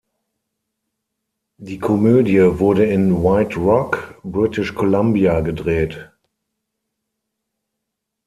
Die Komödie wurde in White Rock, British Columbia gedreht.